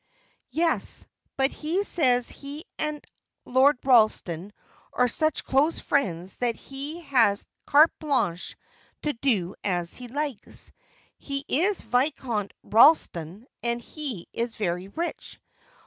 "Yes, but he says he and Lord Ralston are such close friends that he has carte blanche to do as he likes. He is Viscount Ralston, and he is very rich.